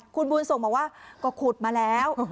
คุณบุญส่งบอกว่าก็ขุดมาแล้ว